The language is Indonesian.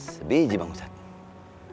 sebijik bang ustadz